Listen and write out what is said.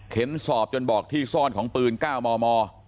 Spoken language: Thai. สอบจนบอกที่ซ่อนของปืน๙มม